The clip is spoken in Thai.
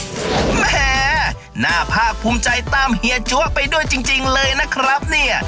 แหมน่าภาคภูมิใจตามเฮียจั๊วไปด้วยจริงเลยนะครับเนี่ย